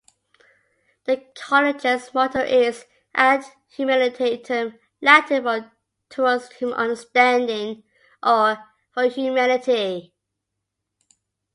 The College's motto is "Ad Humanitatem", Latin for "Towards Human Understanding" or "For Humanity".